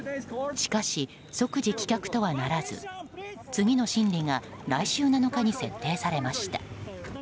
しかし、即時棄却とはならず次の審理が来週７日に設定されました。